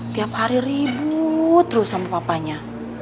tiap hari ribut terus sama papanya